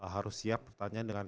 harus siap pertanyaan dengan